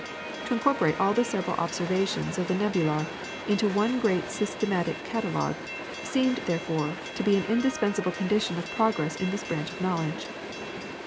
To incorporate all the several observations of nebular into one great systematic catalogue, seemed, therefore, to be an indispensable condition of progress in this branch of knowledge.